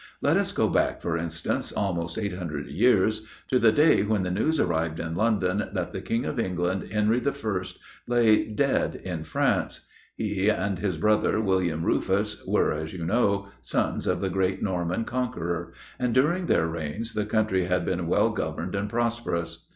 Let us go back, for instance, almost eight hundred years, to the day when the news arrived in London that the King of England, Henry I., lay dead in France. He and his brother, William Rufus, were, as you know, sons of the great Norman Conqueror, and during their reigns the country had been well governed and prosperous.